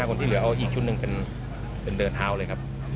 ๔๕คนที่เหลืออีกชุดหนึ่งเป็นเดินทาวน์เลยครับ